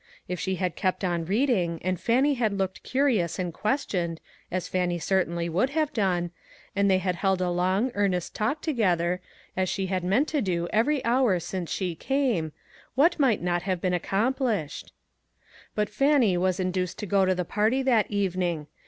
If she had kept on reading, and Fannie had looked curious and questioned, as Fannie certainly would have done, and they had held a long, earnest talk together, as she had meant to do every hour since she came, what might not have been accomplished ? But Fannie was induced to go to the party that evening.